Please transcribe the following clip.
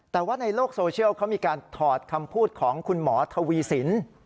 แต่ว่าในโลกโซเชียลเขามีการถอดคำพูดของคุณหมอทวีสิน